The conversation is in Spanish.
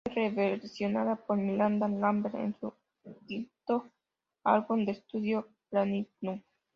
Fue re-versionada por Miranda Lambert en su quinto álbum de estudio Platinum.